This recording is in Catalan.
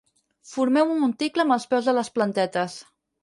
Formeu un monticle als peus de les plantetes.